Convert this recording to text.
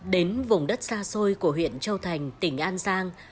đến vùng đất xa xôi của huyện châu thành tỉnh an giang